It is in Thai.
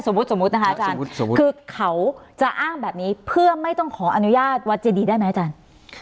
สมมุตินะคะอาจารย์คือเขาจะอ้างแบบนี้เพื่อไม่ต้องขออนุญาตวัดเจดีได้ไหมอาจารย์